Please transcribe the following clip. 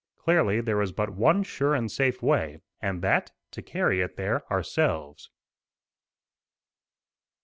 Clearly there was but one sure and safe way, and that, to carry it there ourselves.